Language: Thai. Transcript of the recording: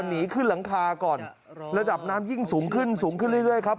หนีขึ้นหลังคาก่อนระดับน้ำยิ่งสูงขึ้นสูงขึ้นเรื่อยครับ